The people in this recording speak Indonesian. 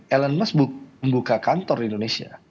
elon musk membuka kantor di indonesia